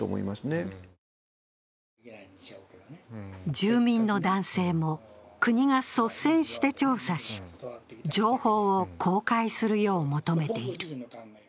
住民の男性も、国が率先して調査し、情報を公開するよう求めている。